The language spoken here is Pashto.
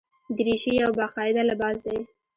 دریشي یو باقاعده لباس دی.